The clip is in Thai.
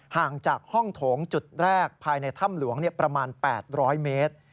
ห่างจากห้องโถงจุดแรกภายในถ้ำหลวงประมาณ๘๐๐เมตร